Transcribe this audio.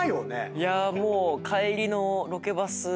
いやもう帰りのロケバス。